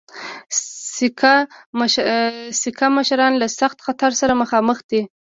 سیکه مشران له سخت خطر سره مخامخ دي.